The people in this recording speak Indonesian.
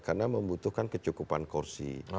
karena membutuhkan kecukupan kursi